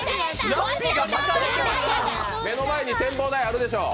目の前に展望台あるでしょう